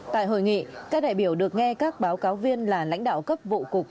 tại hội nghị các đại biểu được nghe các báo cáo viên là lãnh đạo cấp vụ cục